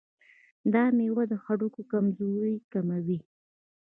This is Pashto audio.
دا مېوه د هډوکو کمزوري کموي.